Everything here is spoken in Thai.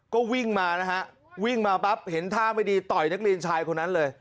ก็วิ่งมานะฮะวิ่งมาปั๊บเห็นท่าไม่ดีต่อยนักเรียนชายคนนั้นเลย